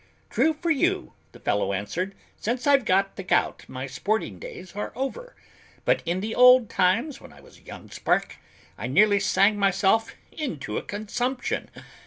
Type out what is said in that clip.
"True for you," the fellow answered, "since I've got the gout my sporting days are over; but in the good old times when I was a young spark, I nearly sang myself into a consumption.